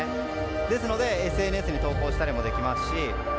ですので、ＳＮＳに投稿したりもできます。